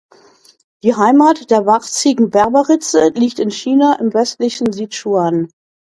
Die Heimat der Warzigen Berberitze liegt in China im westlichen Sichuan.